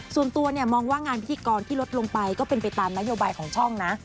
ส่วนตัวเนี่ยมองว่างานพิธีกรที่ลดลงไปก็เป็นไปตามนโยบายของช่องนะ